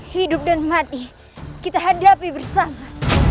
hidup dan mati kita hadapi bersama